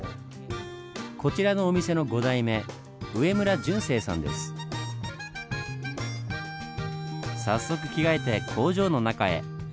こちらのお店の５代目早速着替えて工場の中へ。